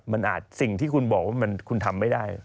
มันอาจสิ่งที่คุณบอกว่าคุณทำไม่ได้